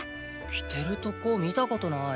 着てるとこ見たことない。